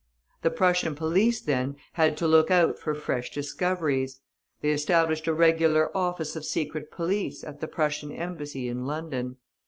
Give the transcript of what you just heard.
The Prussian police, then, had to look out for fresh discoveries. They established a regular office of secret police at the Prussian Embassy in London.